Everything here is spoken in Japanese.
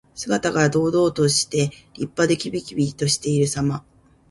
姿が堂々として、立派で、きびきびしているさま。